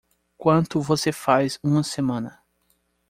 Quanto você faz uma semana?